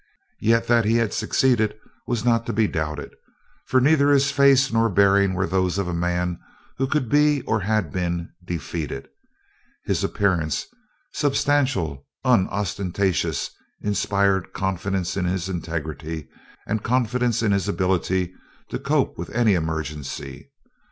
Yet that he had succeeded was not to be doubted, for neither his face nor bearing were those of a man who could be, or had been, defeated. His appearance substantial, unostentatious inspired confidence in his integrity and confidence in his ability to cope with any emergency.